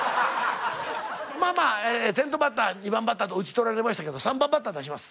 まあまあ先頭バッター２番バッターと打ち取られましたけど３番バッター出します。